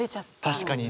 確かに。